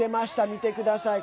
見てください。